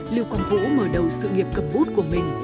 lưu quang vũ mở đầu sự nghiệp cầm bút của mình